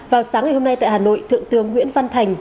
vào sáng ngày hôm nay tại hà nội thượng tướng nguyễn văn thành